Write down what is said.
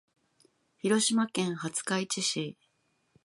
広島県廿日市市